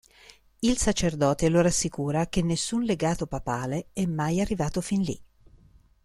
Il sacerdote lo rassicura che nessun legato papale è mai arrivato fin lì.